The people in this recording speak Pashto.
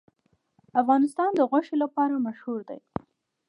افغانستان د غوښې لپاره مشهور دی.